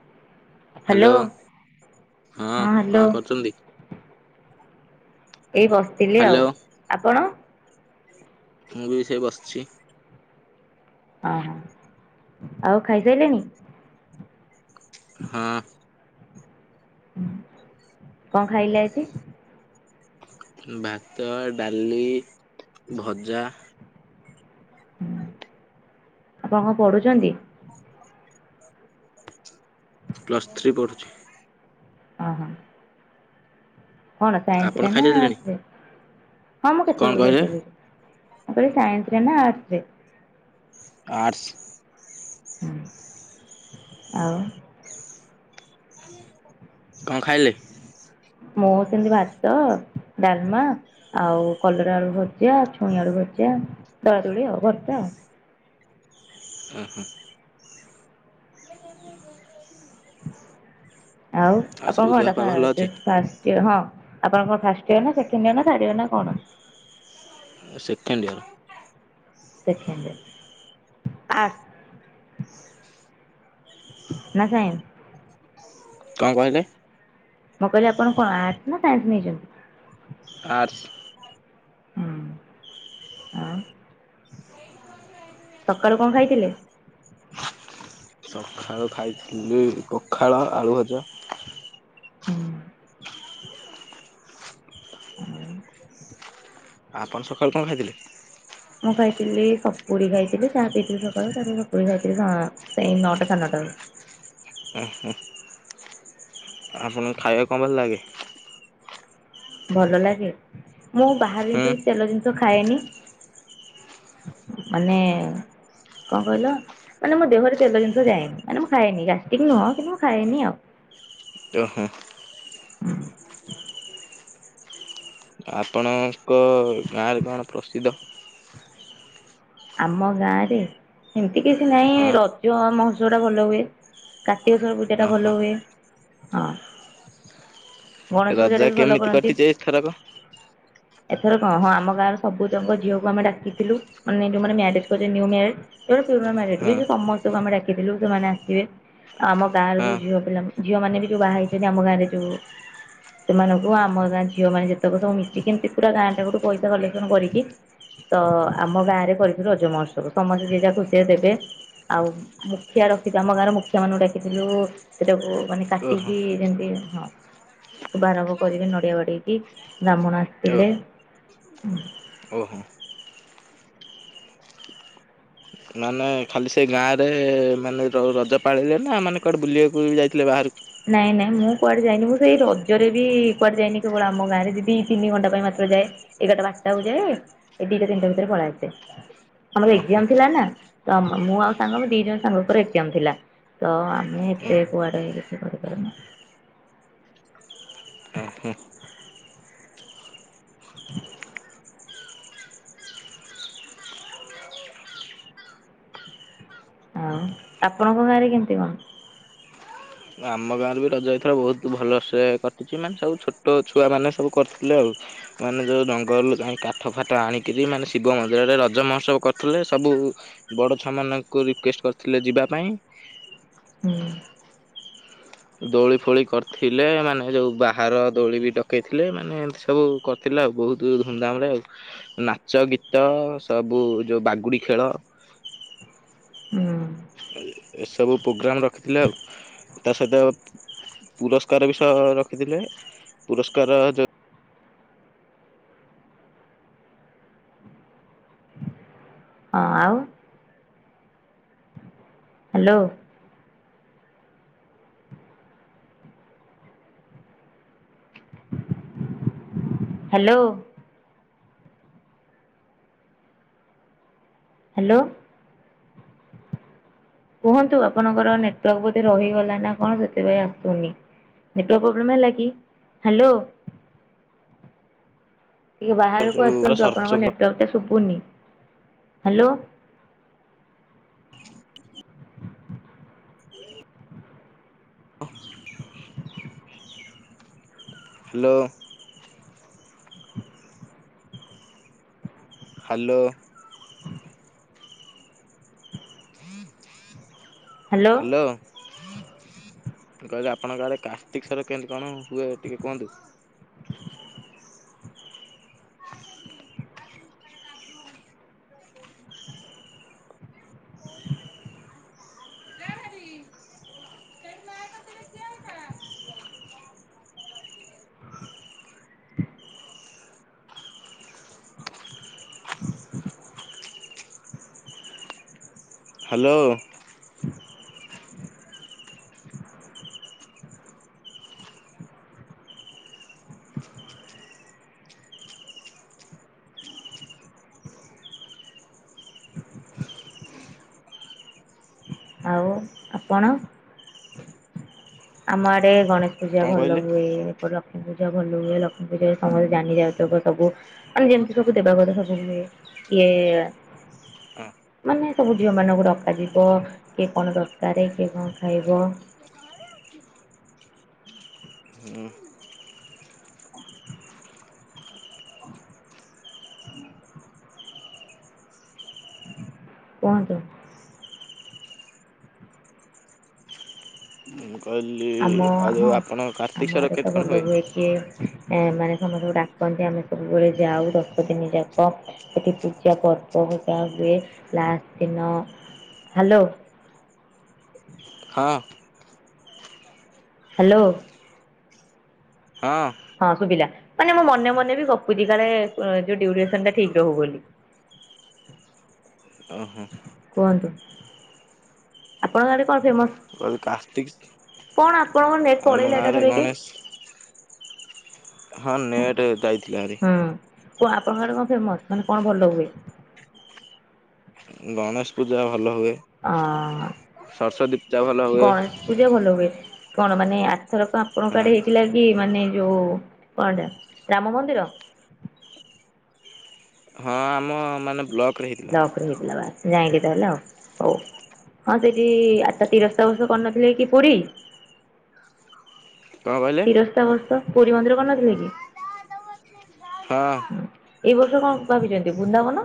[inaudible] Hello ହଁ କଣ କରୁଛନ୍ତି? ଏଇ ବସିଥିଲି ଆଉ ହ୍ୟାଲୋ ଆପଣ? ମୁଁ ବି ସେ ବସିଛି। ଓ ହୋ ଆଉ ଖାଇ ସାଇଲେଣିି? ହଁ। କଣ ଖାଇଲେ ଆଜି? ଭାତ ଡାଲି ଭଜା ହୁଁ ଆପଣ କଣ ପଢୁଛନ୍ତି? ପ୍ଲସ୍ ଥ୍ରୀ ପଢ଼ୁଛି। ଓ ହୋ। କଣ ଆପଣ ସାଇନ୍ସରେ ନା ଖାଇସାରିଲେଣି ଆର୍ଟ୍ସରେ? ହଁ ମୁଁ କଣ କେତେବେଳୁ ଖାଇ କହିଲେ ସାରି ଳିଣି, ମୁଁ କହିଲି ସାଇନ୍ସରେ ନା ଆର୍ଟ୍ସରେ? ଆର୍ଟ୍ସ। ଆଉ। କଣ ଖାଇଲେ? ମୁଁ ସେମିତି ଭାତ ଡାଲମା ଆଉ କଲରା ଆଳୁ ଭଜା ଛୁଇଁ ଆଳୁ ଭଜା ଦଳା ଦୋଳି ଆଉ ଭର୍ତ୍ତା ଆଉ [inaudible] ହୁଁ ହୁଁ। ଆଉ ଆପଣ ସବୁ ଦେହ ପା କଣଟା ଭଲ ଅଛି [unintelligible] ହଁ। ଆପଣ କଣ ଫାଷ୍ଟ ଇଅର୍ ନା ସେକେଣ୍ଡ ଇଅର୍ ନା ଥାଡ ଇଅର୍ ନା କଣ? Second year. Second year arts? ନା ସାଇନ୍ସ? କଣ କହିଲେ? ମୁଁ କହିଲି ଆପଣ କଣ ଆର୍ଟ୍ସ ନା ସାଇନ୍ସ ନେଇଛନ୍ତି? ଆର୍ଟ୍ସ। ହୁଁ। ହଁ ସକାଳୁ କଣ ଖାଇଥିଲେ? ସଖାଳୁ ଖାଇଥିଲି ପଖାଳ ଆଳୁ ଭଜା। ଆପଣ ସଖାଳୁ କଣ ଖାଇଥିଲେ? ମୁଁ ଖାଇଥିଲି ସପୁରୀ ଖାଇଥିଲି ଚାହା ପିଇଥିଲି ସକାଳୁ ତାପରେ ସପୁରି ଖାଇଥିଲି ସେଇ ନଅଟା ସାଢେ଼ ନଅଟା କୁ ହଁ ହୁଁ। ଆପଣଙ୍କୁ ଖାଇବାକୁ କଣ ଭଲ ଲାଗେ? ଭଲ ଲାଗେ ମୁଁ ବାହାର ଜିନିଷ ହୁଁ କିଛି ତେଲ ଜିନିଷ ଖାଏନି। ମାନେ। କଣ କହିଲ ମାନେ ମୋ ଦେହରେ ତେଲ ଜିନିଷ ଯାଏନି ମାନେ ମୁଁ ଖାଏନି ଗ୍ୟାଷ୍ଟିକ୍ ନୁହଁ କିନ୍ତୁ ମୁଁ ଖଏନି ଆଉ। ଓ ହୋ। ହୁଁ। ଆପଣଙ୍କ ଗାଁରେ କଣ ପ୍ରସିଦ୍ଧ? ଆମ ଗାଁ ରେ ଏମତି କିଛି ହଁ ନାହିଁ ରଜ ଆମ ଭଲ ହୁଏ କାର୍ତ୍ତିକଶ୍ବର ପୂଜା ଟା ଭଲ ଓହୋ ହୁଏ ହଁ ଗଣେଶ ପୂଜା ରଜ ଟା ବି ଭଲ କେମିତି କରନ୍ତି। କଟିଛି ଏଥରକ ଏଥର କଣ ହଁ ଆମ ଗାଁର ସବୁତଙ୍କ ଝିଅକୁ ଆମେ ଡାକିଥିଲୁ। ଯୋଉମାନେ ମ୍ୟାରେଜ କରିଛନ୍ତି, ନ୍ୟୁମ୍ୟାରେଡ଼ ଯୋଉ [unintelligible] ମାନେ ପୁରୁନା ହଁ ମ୍ୟାରେଡ ସମସ୍ତଙ୍କୁ ଆମେ ଡାକିଥିଲୁ ସେମାନେ ଆସିବେ। ଆମ ଗାଁର ହଁ ଯୋଉ ଝିଅ ପିଲା, ଝିଅ ମାନେ ବି ଯୋଉ ବାହା ହେଇଛନ୍ତି ଆମ ଗାଁ ରେ ଯୋଉ ସେମାନଙ୍କୁ ଆମ ଗାଁ ଝିଅମାନେ ଯେତେକ ସବୁ ମିଶିକି ଏମିତି ପୁରା ଗାଁ ଯାକ [unintelligible] ଠୁ ପଇସା କଲେକ୍ସନ କରିକି ତ ଆମ ଗାଁ ରେ କରିଥିଲୁ ରଜ ମହୋତ୍ସବ, ସମସ୍ତେ ଯିଏ ଯାହା ଖୁସି ରେ ଦେବେ। ଆଉ ମୁଖିଆ ରଖିଥିଲୁ, ଆମ ଗାଁର ମୁଖିଆ ମାନଙ୍କୁ ଡାକିଥିଲୁ ସେଟାକୁ ମାନେ ଓହୋ କାଟିକି ଯେମିତି ଶୁଭ ଆରମ୍ଭ କରିବେ ନଡ଼ିଆ ବାଡ଼େଇକି ବ୍ରାହ୍ମଣ ଓ ଆସିଥିଲେ। ଓହୋ ମାନେ ଖାଲି ସେ ଗାଁରେ ମାନେ ରଜ ପାଳିଲେ, ନା କୁଆଡ଼େ ବୁଲିବାକୁ ଯାଇଥିଲେ ବାହାରକୁ? ନାଇଁ ନାଇଁ ମୁଁ କୁଆଡେ ଯାଇନି, ମୁଁ ସେଇ ରଜରେ ବି କୁଆଡେ ଯାଇନି କେବଳ ଆମ ଗାଁରେ ଦି ତିନି ଘଣ୍ଟା ପାଇଁ ମ ଯାଏ ଏଗାରଟା ବାରଟାକୁ ଯାଏ, ଏ ଦିଟା ତିନିଟା ଭିତରେ ପଳେଇଆସେ। ଆମର ଓହୋ ଏଜ୍ଜାମ ଥିଲା ନା, ତ ମୁଁ ଆଉ ସାଙ୍ଗ ଦି ଜଣ ସାଙ୍ଗଙ୍କର ଥିଲା। ତ ଆମେ ଏତେ ଓହୋ କୁଆଡେ କିଛି କରିପାରୁନୁ। ଓହୋ ଆଉ ଆପଣଙ୍କ ଗାଁରେ କେମତି କଣ? ଆମ ଗାଁରେ ବି ରଜ ହେଇଥିଲା ବହୁତ ଭଲସେ କଟିଛି ମାନେ ସବୁ ଛୋଟ ଛୁଆମାନେ ସବୁ କରିଥିଲେ ଆଉ ମାନେ ଯେଉଁ ଜଙ୍ଗଲରୁ ଯାଇ କାଠ ଫାଠ ଆଣିକିରି ମାନେ ଶିବ ମନ୍ଦିରରେ ରଜ ମହୋତ୍ସବ କରୁଥିଲେ ସବୁ ବଡ ଛୁଆମାନଙ୍କୁ ରିକୱେଷ୍ଟ କରିଥିଲେ ଯିବା ପାଇଁ। ହୁଁ। ଦୋଳି ଫୋଳି କରିଥିଲେ ମାନେ ଯୋଉ ବାହାର ଦୋଳି ବି ଡକେଇଥିଲେ ମାନେ ଏମତି ସବୁ କରିଥିଲେ। ବହୁତ ଧୁମଧାମ ରେ ଆଉ ନାଚ ଗୀତ ସବୁ ଯୋଉ ବାଗୁଡି ଖେଳ [unintelligible] ହୁଁ ଏସବୁ ପୋଗ୍ରାମ ରଖିଥିଲେ ଆଉ ତା ସହିତ ପୁରସ୍କାର ବି ସହ ରଖିଥିଲେ, ପୁରସ୍କାର ଯଉ ହଁ ଆଉ ହାଲୋ। ହାଲୋ। ହାଲୋ। କୁହନ୍ତୁ, ଆପଣଙ୍କର ନେଟୱାର୍କ ବୋଧେ ରହିଗଲା ନା କଣ ସେଥିପାଇଁ ଆସୁନି। ନେଟୱର୍କ ପ୍ରୋବ୍ଲେମ୍ ହେଲା କି? ହାଲୋ ଆ [inaudible] ଟିକେ ବାହାରକୁ ଆସନ୍ତୁ ଆପଣଙ୍କ ନେଟୱାର୍କ ଟା ପୁନି hello hello. Hello. Hello hello. ମୁଁ କହିଲି ଆପଣଙ୍କ ଆଡେ କାର୍ତ୍ତିକେଶ୍ୱର କେମତି କଣ ହୁଏ ଟିକେ କୁହନ୍ତୁ? ହାଲୋ ଆଉ ଆପଣ? ଆମ ଆଡେ ଗଣେଶ ପୂଜା କଣ ଭଲ କହିଲେ? ହୁଏ ପୂଜା ଭଲ ହୁଏ, ଲକ୍ଷ୍ମୀ ପୂଜା ସମସ୍ତେ ଜାନି ଯାଉତୁକ ସବୁ ମାନେ ଯେମିତି ସବୁ ଦେବା କଥା ସବୁ ହୁଏ। ଏ ଆ ହ [unintelligible] ମାନେ ସବୁ ଝିଅ ମାନଙ୍କୁ ଡକାଯିବ, କିଏ କଣ ଦରକାର, କିଏ କଣ ଖାଇବ? ହଁ [unintelligible] ହୁଁ କୁହନ୍ତୁ? ମୁଁ କହିଲି ଆମ ଆଉ ହଁ ଯୋଉ ଆପଣ କାର୍ତ୍ତିକ ଆମ ସ୍ୱର ଆଡେ ତ କେମିତି କଣ ଭଲ ହୁଏ କିଏ? ମାନେ ସମସ୍ତଙ୍କୁ ଡାକନ୍ତି ଆମେ ସବୁବେଳେ ଯାଉ ଦଶ ଦିନ ଯାକ ସେଠି ପୂଜା ପର୍ବ ଟ [unintelligible] ହୁଏ ଲାଷ୍ଟ ଦିନ ହାଲୋ ହଁ। ହାଲୋ। ହଁ ହଁ ଶୁଭିଲା ମାନେ ମୋ ମନେ ମନେ ବି ଗପୁଛି କାଳେ ଅ ଯୋଉ ଡ୍ୟୁରେସନ ଟା ଠିକ ରହୁ ବୋଲି। ଓହୋ। କୁହନ୍ତୁ ଆପଣଙ୍କ ଆଡେ କଣ ଫେମସ? କହିଲି କାର୍ତ୍ତିକ କଣ ଆପଣଙ୍କ ନେଟ ଆମ ପଳେଇଲା ଏକା ଗାଁରେ ଥରେକେ? ଗଣେଶ ହଁ ନେଟ ଯାଇଥିଲା ହେରି। କଣ ଆପଣଙ୍କ ଆଡେ କଣ ଫେମସ ମାନେ କଣ ଭଲ ହୁଏ? ଉଁ ଗଣେଶ ପୂଜା- ଭଲ ହୁଏ ଅ ସରସ୍ଵତୀ ପୁଜା ଭଲ ହୁଏ। ଗଣେଶ ପୂଜା ଭଲ ହୁଏ। କଣ ମାନେ ଆର ଥରକ ହଁ ଆପଣଙ୍କ ଆଡେ ହେଇଥିଲା କି ମାନେ ଯୋଉ କଣ ଟା ରାମ ମନ୍ଦିର? । ହଁ ଆମ ମାନେ ବ୍ଲକ୍ ବ୍ଲକ ରେ ହେଇଥିଲା ବା ଯାଇଁକି ତ ହେଲା ଆଉ ହଉ। ହଁ ସେଇଠି ଆତ ତିରସ୍ତ ସବୁ କରିନଥିଲେ କି ପୁରୀ? । ତିରସ୍ତା ଗସ୍ତ ପୁରୀ ମନ୍ଦିର କରି ନଥିଲେ କି? ହଁ। ଏଇ ବର୍ଷ କଣ ଭାବିଛନ୍ତି ବୃନ୍ଦାବନ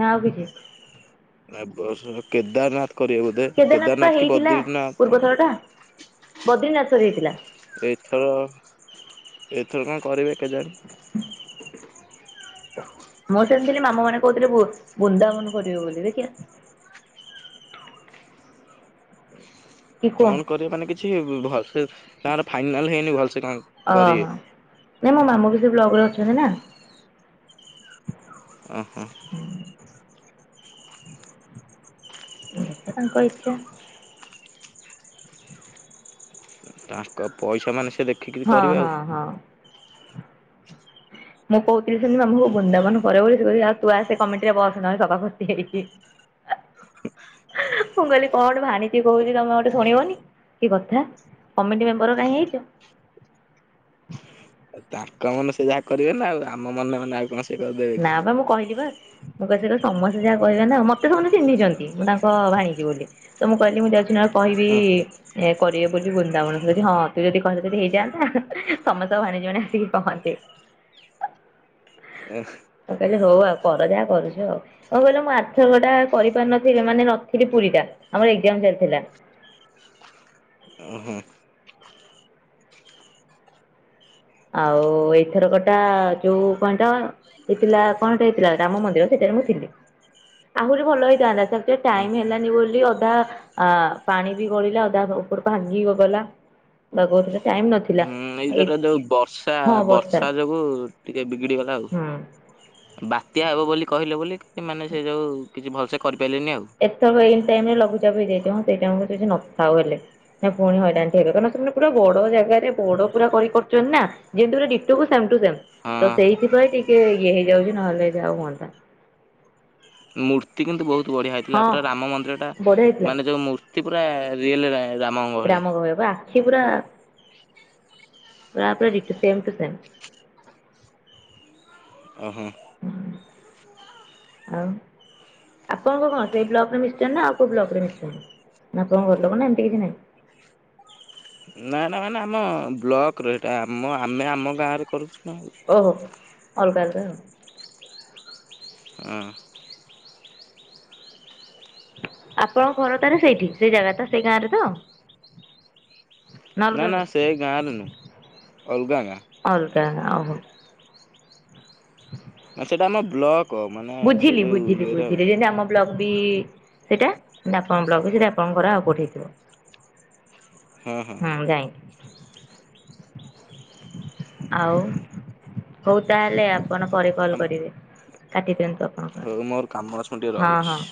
ନା ଆଉ କିଛି? ନା ଏ ବର୍ଷ କେଦାରନାଥ କରିବେ ବୋଧେ କେଦାରନାଥ କି ବଦ୍ରିନାଥ କଣ କରିବେ। ବଦ୍ରୀନାଥ ସରିଯାଇଥିଲା। ଏଥର ଏଇଥର କଣ କରିବେ କେଜାଣି? ମୁଁ ସେମିତି ଥିଲି ମାମୁ ମାନେ କହୁଥିଲେ ବୁ ବୃନ୍ଦାବନ କରିବେ ବୋଲି ଦେଖିଆ। ହ। କଣ କରିବେ ମାନେ କିଛି ଭ-ଭଲ ସେ ତାଙ୍କର ଫାଇନାଲ ହେଇନି ଭଲ ଓହୋ ନାଇଁ ମୋ ମାମୁ ବି ସେଇ ବ୍ଲକରେ ଅଛନ୍ତି ନା। ଓ ହୋ। ଦେଖିଆ ତାଙ୍କ ଇଚ୍ଛା। ତାଙ୍କ ପଇସା ମାନେ ସେ ଦେ ହଁ ହଁ ହଁ। ମୁଁ କହୁଥିଲି ସେମିତି ମାମୁକୁ ବୃନ୍ଦାବନ କରିବ ବୋଲି ସେ କହିଲେ ଆଉ ତୁ ଆସେ କମିଟି ରେ ବସ ନହେଲେ ସଭାପତି ହେଇକି। । ମୁଁ କହିଲି କଣ ଗୋଟେ ଭାଣିଜୀ କହୁଛି ତମେ ଗୋଟେ ଶୁଣିବନି କି କଥା। କମିଟି ମେମ୍ବର କାହିଁ ହେଇଛ? ଆଉ ତାଙ୍କ ମନେ ସେ ଯାହା କରିବେ ନା ଆଉ ଆମ ମନେ ମନେ ଆଉ କ ନା ବା ମୁଁ କହିଲି ବା। ମୁଁ ପଚାରେ ସମସ୍ତେ ଯାହା କହିବେ ନା ମତେ ସମସ୍ତେ ଚିହ୍ନିଛନ୍ତି ମୁଁ ତାଙ୍କ ଭାଣିଜି ବୋଲି ତ ମୁଁ କହିଲି ମୁଁ ଯାଉଛି ନା କହିବି ଓହୋ ଏ କରିବେ ମୁଁ କହିଲି ବୃନ୍ଦାବନ ସେ କହୁଚି ହଁ ତୁ ଯଦି କହିଲେ ଯଦି ହେଇଯାଆନ୍ତା ଆ ହାଁ ସମସ୍ତଙ୍କ ଭାଣେଜୀ ମାନେ ଆସିକି କହନ୍ତେ। ଏ। କହିଲେ ହଉ ଆଉ କର ଯାହା କରୁଛ ଆଉ କଣ କହିଲ ମୁଁ ଆର ଥରକ ଟା କରିପାରିନଥିଲି ମାନେ ନ ଥିଲି ପୁରୀ ଟା। ଆମର ଏକ୍ଜାମ ଚାଲିଥିଲା। ଓହୋ। ଆଉ ଏଇ ଥରକ ଟା ଯୋଉ କଣ ତ ହେଇଥିଲା କଣ ଟେ ହେଇଥିଲା ରାମ ମନ୍ଦିର ସେଇ ଳେ ମୁଁ ଥିଲି। ଆହୁରି ଭଲ ହେଇଥାନ୍ତା ସେ ଆକଚୁଲି ହୁଁ ଟାଇମ ହେଲାନି ବୋଲି ଅଧା ଆ ପାଣି ବି ଗଡିଲା ଅଧା ଉପରୁ ଭାଙ୍ଗି ଗ-ଗଲା ବାଗଉଥିଲେ ଟାଇମ ନଥିଲା। ଉଁ ଏଇ ଯଉ ଏ ଗୁରା ଯୋଉ ବର୍ଷା ବର୍ଷା ଯୋଗୁ ଟିକେ ବିଗିଡି ଗଲା ଆଉ ହୁଁ। ବାତ୍ୟା ହବ ବୋଲି କହିଲେ ବୋଲି ମାନେ ସେଇ ଯୋଉ କିଛି ଭଲସେ କରି ଏତେ କ ଏଇ ଟାଇମ ରେ ଲଘୁଚାପ ହେଇଯା ହଁ। ସେଇଟାଣ, ସେ ନଥାଉ ହେଲେ। ନା ପୁଣି ହଇରାନ ଟି ହେଲେ କାରଣ ସେମାନେ ପୁରା ବଡ ଜାଗାରେ, ବଡ ପୁରା କରୁଛନ୍ତି ନା ଯେମିତି ପୁରା ଡିଟକୁ ସେମ୍ ଟୁ ସେମ୍। ତ ହଁ ସେଇଥିପାଇଁ ଟିକେ ଇଏ ହେଇଯାଉଛି। ନହେଲେ ଯାଉ ହୁଅନ୍ତା। [inaudible] ମୂର୍ତ୍ତି କିନ୍ତୁ ବହୁତ ବଢ଼ିଆ ହେଇଥିଲା। ହଁ। ପୁରା ରାମ ମନ୍ଦିର ଟା ବଢିଆ ହେଇଥିଲା ମାନେ ଯୋଉ ମୂର୍ତ୍ତି ପୁରା ରିଏଲ୍ ରାମ ଭଳିଆ ପା, ଆଖି ପୁରା ପୁରା ପୁରା ଦିଟୋ ପୁରା ସେମ୍ ଟୁ ସେମ୍। ଓହୋ। ଆଉ, ଆପଣଙ୍କ କଣସେଇ ବ୍ଲକ ରେ ମିଶଛନ୍ତି, ନା ଆଉ କୋଉ ବ୍ଲକ ରେ ମିଶଛନ୍ତି? ନା ଆପଣ ଘର ଲୋକ, ନା ଏମିତି କିଛି ନାହିଁ? [inaudible] ନା ନା ମାନେ ଆମ ବ୍ଲକର ଏଇଟା ଆମ ଆମେ ଆମ ଗାଁରେ କରୁଛୁ ନାଉ। ଓହୋ। ଅଲଗା, ଅଲଗା ଆଉ। ହୁଁ। ଆପଣଙ୍କ ଘର ତାର ସେଇଠି। ସେଇ ଜାଗା ତ, ସେଇ ଗାଁରେ ତ। ନା ଅଲଗା ସେ ଗାଁରେ ନୁହଁ ଅଲଗା ଗାଁ ଅଲଗା ଓହୋ। ନା ସେଇଟା ଆମ ବ୍ଲକ। ମାନେ ସେ ବୁଝିଲି, ଯୋଉ ବୁଝିଲି, ଇଏରେ ଆଉ ବୁଝିଲି ଯେମିତି ଆମ ବ୍ଲକ। ବି ସେଇଟା ନା କଣ ବ୍ଲକ ସେଇଟା, ଆପଣଙ୍କର ଆଉ କଠେଇଥିବ। ହଁ ହଁ ହୁଁ। ଯାଇଁ ଆଉ ହୋଉ ତାହେଲେ, ଆ ଆପଣ ପରେ କଲ୍ କରିବେ। କାଟି ଦିଅନ୍ତୁ। ଆପଣଙ୍କ ଆଡ଼ୁ ହୋଉ ମୋର କାମ ଅଛି, ଟିକେ ହଁ ରହୁଛି। ହଁ